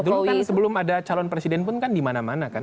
dulu kan sebelum ada calon presiden pun kan di mana mana kan